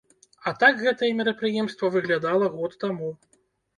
А так гэтае мерапрыемства выглядала год таму.